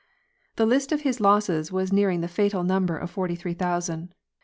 The list of his losses was nearing the fatal number of forty three thousand.